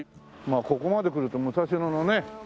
まあここまで来ると武蔵野のね